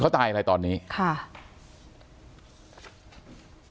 ขอบคุณมากครับขอบคุณมากครับ